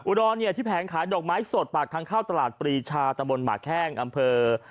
ดรที่แผงขายดอกไม้สดปากทางเข้าตลาดปรีชาตะบนหมาแข้งอำเภอ